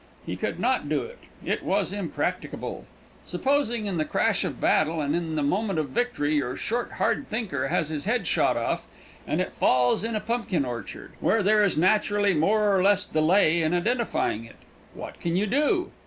He could not do it. It was impracticable. Supposing in the crash of battle and in the moment of victory your short, hard thinker has his head shot off and it falls in a pumpkin orchard, where there is naturally more or less delay in identifying it, what can you do?